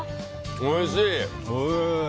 おいしい！